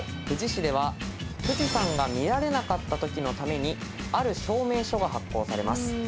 富士市では富士山が見られなかった時のためにある証明書が発行されます。